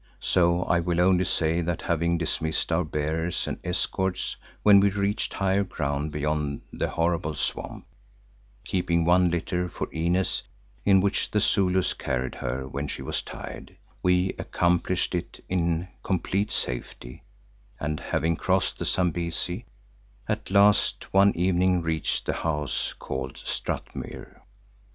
So I will only say that having dismissed our bearers and escorts when we reached higher ground beyond the horrible swamp, keeping one litter for Inez in which the Zulus carried her when she was tired, we accomplished it in complete safety and having crossed the Zambesi, at last one evening reached the house called Strathmuir.